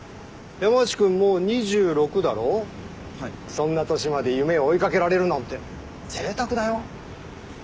そんな年まで夢を追い掛けられるなんてぜいたくだよ。